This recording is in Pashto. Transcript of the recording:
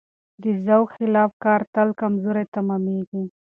د ذوق خلاف کار تل کمزوری تمامېږي.